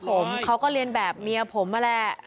เป็นคนรักผมเขาก็เรียนแบบเมียผมนั่นแหละ